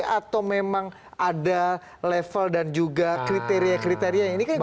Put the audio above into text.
atau memang ada level dan juga kriteria kriteria ini kan